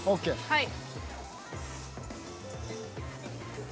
はい。